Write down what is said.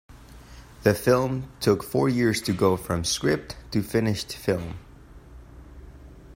The film took four years to go from script to finished film.